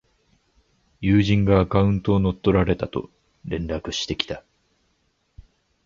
友人がアカウントを乗っ取られたと連絡してきた